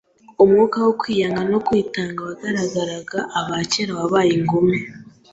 Umwuka wo kwiyanga no kwitanga warangaga aba kera wabaye ingume.